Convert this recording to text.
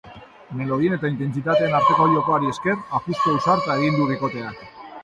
Melodien eta intentsitateen arteko jokoari esker, apustu ausarta egin du bikoteak.